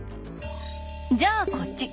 じゃあこっち